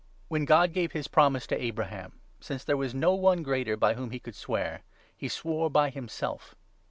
487 When God gave his promise to Abraham, since there was no 13 one greater by whom he could swear, he swore by himself.